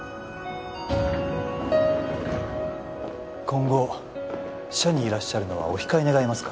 今後社にいらっしゃるのはお控え願えますか？